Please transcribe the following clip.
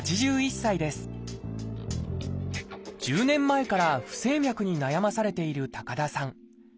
１０年前から不整脈に悩まされている高田さん。